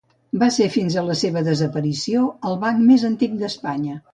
Va ser fins a la seva desaparició el banc més antic d'Espanya.